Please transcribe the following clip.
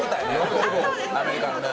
アメリカのね。